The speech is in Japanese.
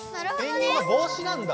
ペンギンの帽子なんだ。